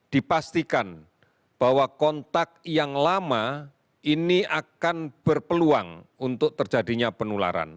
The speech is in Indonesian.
dipastikan bahwa kontak yang lama ini akan berpeluang untuk terjadinya penularan